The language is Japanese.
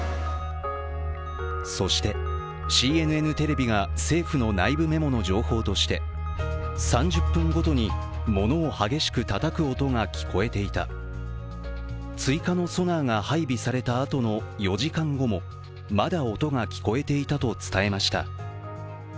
そして、ＣＮＮテレビが政府の内部メモの情報として３０分ごとにものを激しくたたく音が聞こえていた追加のソナーが配備されたあとの４時間後もまだ音が聞こえていたと伝えました。